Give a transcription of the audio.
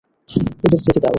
ওদের যেতে দাও।